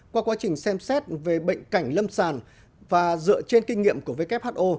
qua quá trình xem xét về bệnh cảnh lâm sàng và dựa trên kinh nghiệm của who